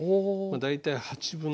大体。